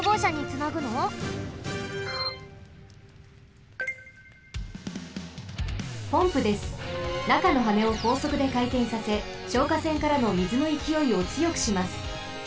なかのはねをこうそくでかいてんさせ消火栓からのみずのいきおいをつよくします。